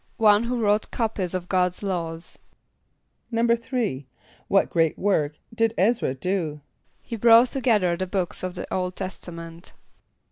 =One who wrote copies of God's laws.= =3.= What great work did [)E]z´r[.a] do? =He brought together the books of the Old Testament.